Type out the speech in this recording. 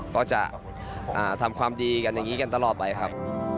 ก็จะทำความดีกันอย่างนี้กันตลอดไปครับ